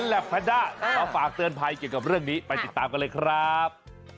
และแพนด้ามาฝากเตือนภัยเกี่ยวกับเรื่องนี้ไปติดตามกันเลยครับ